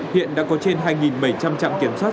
hiện đã có trên hai bảy trăm linh trạm kiểm soát